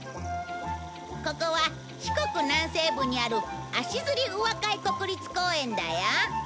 ここは四国南西部にある足摺宇和海国立公園だよ。